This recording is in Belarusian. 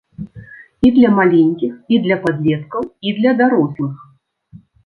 І для маленькіх, і для падлеткаў, і для дарослых.